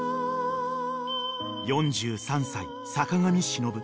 ［４３歳坂上忍